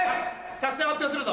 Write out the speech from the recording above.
作戦を発表するぞ。